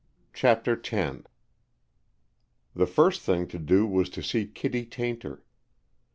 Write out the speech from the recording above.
CHAPTER X The first thing to do was to see Kittie Tayntor.